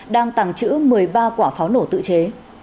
đang tàng trữ một mươi ba quả pháo nổ tự chế